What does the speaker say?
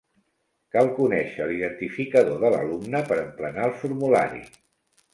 Cal conèixer l'identificador de l'alumne per emplenar el formulari.